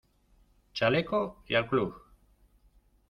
¡ chaleco y al club!